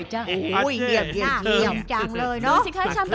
ให้เยอะหน่อยสิ